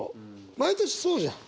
毎年そうじゃん。